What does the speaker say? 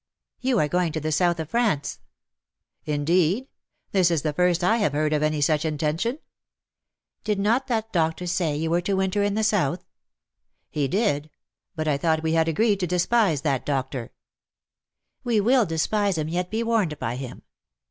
You are going to the South of France. ''■'^' Indeed ? this is the first I have heard of any such intention.^'' " Did not that doctor say you were to winter in the South ?''" He did. But I thought we had agreed to despise that doctor?" 'not death, but love.'" 141 '^ We will despise liim, yet be warned by him.